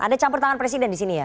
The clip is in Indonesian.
ada campur tangan presiden disini ya